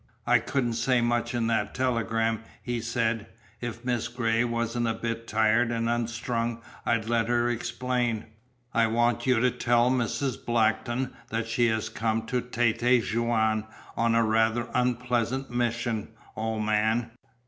"I couldn't say much in that telegram," he said. "If Miss Gray wasn't a bit tired and unstrung I'd let her explain. I want you to tell Mrs. Blackton that she has come to Tête Jaune on a rather unpleasant mission, old man.